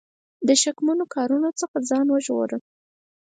د شکمنو کارونو څخه ځان وژغوره.